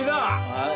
はい。